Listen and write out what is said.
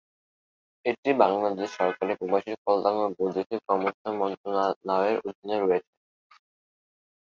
এটি বাংলাদেশ সরকারের প্রবাসী কল্যাণ ও বৈদেশিক কর্মসংস্থান মন্ত্রণালয়ের অধীনে রয়েছে।